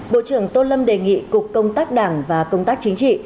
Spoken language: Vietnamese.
bộ trưởng tô lâm đề nghị cục công tác đảng và công tác chính trị